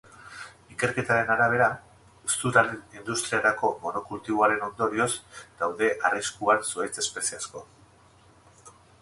Ikerketaren arabera, zuraren industriarako monokultiboaren ondorioz daude arriskuan zuhaitz espezie asko.